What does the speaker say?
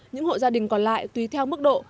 những hộ gia đình còn lại tùy theo mức độ